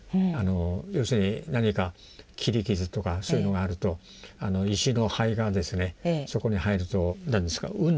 要するに何か切り傷とかそういうのがあると石の灰がそこに入るとうんでくるんですね。